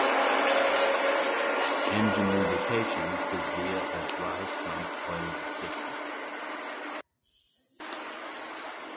Engine lubrication is via a dry-sump oiling system.